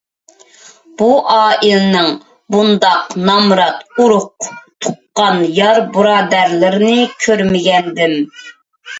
بۇ ئائىلىنىڭ بۇنداق نامرات ئۇرۇق - تۇغقان، يار - بۇرادەرلىرىنى كۆرمىگەنىدىم.